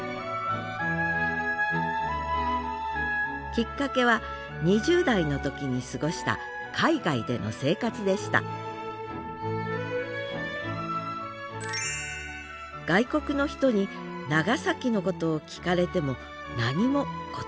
きっかけは２０代の時に過ごした海外での生活でした外国の人に長崎のことを聞かれても何も答えられなかったのです